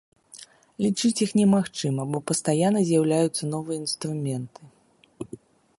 Лічыць іх немагчыма, бо пастаянна з'яўляюцца новыя інструменты.